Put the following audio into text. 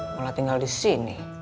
mulai tinggal di sini